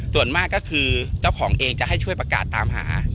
ส่วนมากก็คือเจ้าของเองจะให้ช่วยประกาศตามหา